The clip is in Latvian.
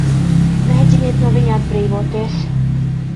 Mēģiniet no viņa atbrīvoties!